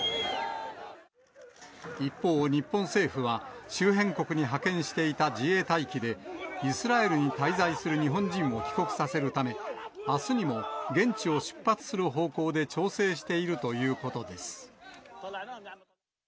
一方、日本政府は、周辺国に派遣していた自衛隊機で、イスラエルに滞在する日本人を帰国させるため、あすにも現地を出発する方向で調整しているということです。